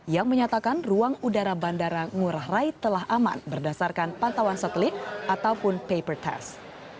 yang menyatakan ruang udara bandara ngurah rai telah aman berdasarkan pantauan satelit ataupun paper test